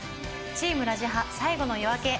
チームラジハ最後の夜明け。